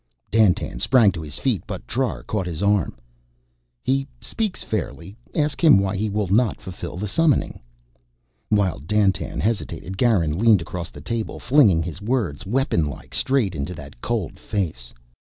Dandtan sprang to his feet, but Trar caught his arm. "He speaks fairly. Ask him why he will not fulfill the summoning." While Dandtan hesitated, Garin leaned across the table, flinging his words, weapon like, straight into that cold face.